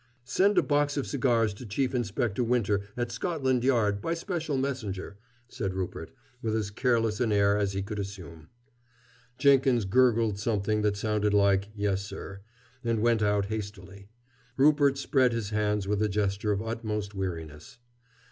"Send a box of cigars to Chief Inspector Winter, at Scotland Yard, by special messenger," said Rupert, with as careless an air as he could assume. Jenkins gurgled something that sounded like "Yes, sir," and went out hastily. Rupert spread his hands with a gesture of utmost weariness.